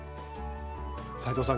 斉藤さん